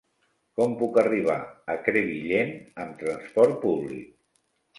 Com puc arribar a Crevillent amb transport públic?